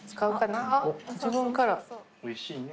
おいしいね。